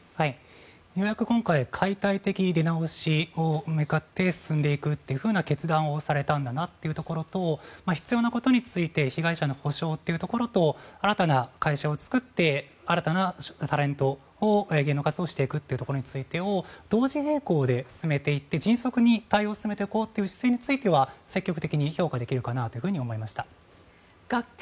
ようやく今回解体的出直しに向かって進んでいくという決断をされたんだなというところと必要なことについて被害者の補償というところと新たな会社を作って新たなタレントと芸能活動をしていくということについてを同時並行で進めていって迅速に対応を進めていこうという姿勢については積極的に評価できるかなと思いました。